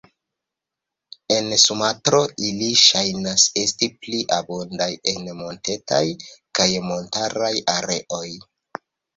En Sumatro, ili ŝajnas esti pli abundaj en montetaj kaj montaraj areoj.